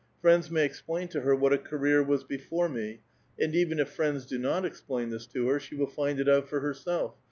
Friends may explain to her what a career was before me ; and even if friends do not explain this to her, she will find it out for herself.